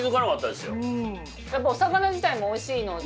やっぱお魚自体もおいしいので。